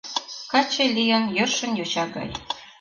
Каче лийын йӧршын йоча гай.